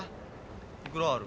いくらある？